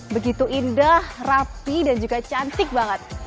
begitu indah rapi dan juga cantik banget